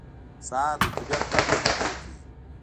سهار د طبیعت دنده تازه کوي.